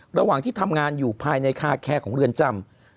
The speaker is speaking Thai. ระหว่างที่ทำงานอยู่ภายในคาแคร์ของเรือนจำ